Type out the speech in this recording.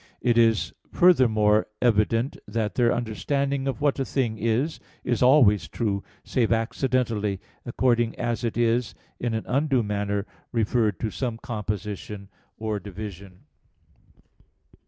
It is, furthermore, evident that their understanding of what a thing is, is always true, save accidentally, according as it is, in an undue manner, referred to some composition or division.